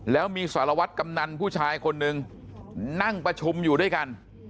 แล้วมีสารวัตรกำนันผู้ชายคนหนึ่งนั่งประชุมอยู่ด้วยกัน